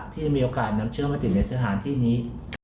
ที่จะมีโอกาสนำเชื้อมาติดในสถานที่นี้